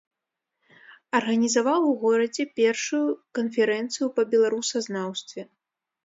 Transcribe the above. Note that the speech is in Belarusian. Арганізаваў у горадзе першую канферэнцыю па беларусазнаўстве.